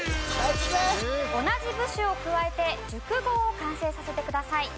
同じ部首を加えて熟語を完成させてください。